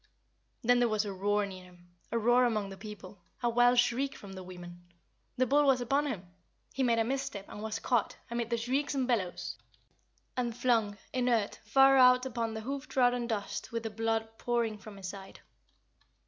Then there was a roar near him a roar among the people a wild shriek from the women. The bull was upon him; he made a misstep, and was caught, amid the shrieks and bellows, and flung inert far out upon the hoof trodden dust with the blood pouring from his side.